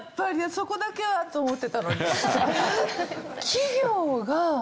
そこだけはと思ってたのに。